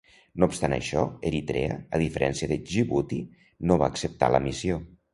No obstant això, Eritrea, a diferència de Djibouti, no va acceptar la missió.